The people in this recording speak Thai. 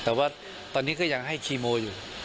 แต่ว่าตอนนี้ก็ยังให้คีโมอยู่